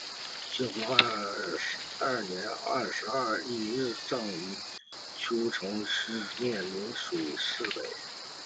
兴和二年十月廿一日葬于邺城西面漳水以北。